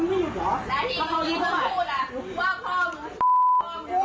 ไม่ได้มาพูดอย่างนี้